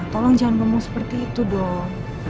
tolong jangan ngomong seperti itu dong